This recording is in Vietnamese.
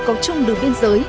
có chung đường biên giới